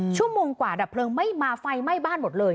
ชั่วโมงกว่าดับเพลิงไม่มาไฟไหม้บ้านหมดเลย